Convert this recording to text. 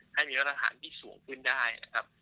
ให้มีมาตรฐานที่สูงขึ้นได้นะครับ